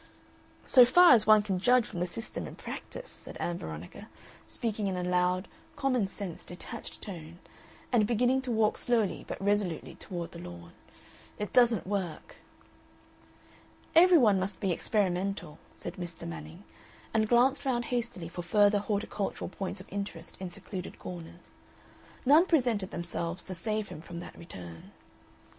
"So far as one can judge from the system in practice," said Ann Veronica, speaking in a loud, common sense, detached tone, and beginning to walk slowly but resolutely toward the lawn, "it doesn't work." "Every one must be experimental," said Mr. Manning, and glanced round hastily for further horticultural points of interest in secluded corners. None presented themselves to save him from that return.